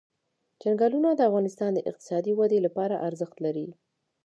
چنګلونه د افغانستان د اقتصادي ودې لپاره ارزښت لري.